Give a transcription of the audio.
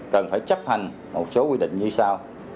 cần phải chấp hành một số quy định như sau